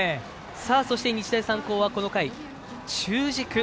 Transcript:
そして、日大三高はこの回、中軸。